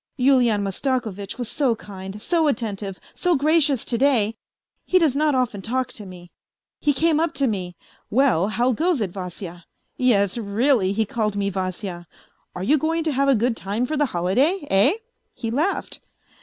Yulian Mastakovitch was so kind, so attentive, so gracious to day; he does not often talk to me ; he came up to me :' Well, how goes it, Vasya ' (yes, really, he called me Vasya), ' are you going to have a good time for the holiday, eh ?' he laughed.